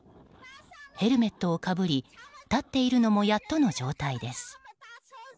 ヘルメットをかぶり立っているのもやっとの状態です。